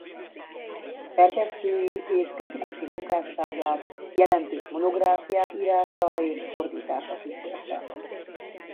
Szerkesztői és kritikusi munkásságát jelentős monográfiák írása és fordítása kísérte.